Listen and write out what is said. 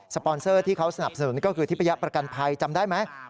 ปอนเซอร์ที่เขาสนับสนุนก็คือทิพยประกันภัยจำได้ไหม